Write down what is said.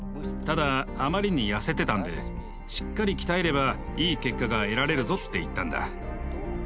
ただあまりに痩せてたんで「しっかり鍛えればいい結果が得られるぞ」って言ったんだ。